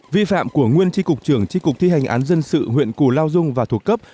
vi phạm của nguyên tri cục trưởng tri cục thi hành án dân sự huyện củ lao dung và thuộc cấp